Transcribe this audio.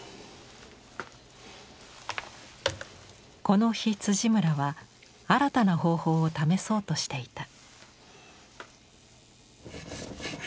この日村は新たな方法を試そうとしていた。